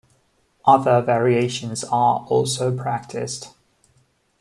Other variations are also practiced.